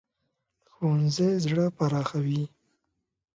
ښوونځی زړه پراخوي